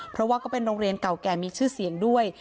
เพราะว่าก็เป็นโรงเรียนเก่าแก่มีชื่อเสียงด้วย